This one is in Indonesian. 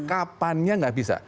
kapan tidak bisa